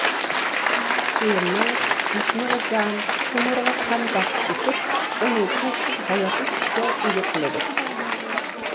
شېئىرنىڭ جىسمىغا جان، تومۇرىغا قان بەخش ئېتىپ، ئۇنى چەكسىز ھاياتىي كۈچكە ئىگە قىلىدۇ.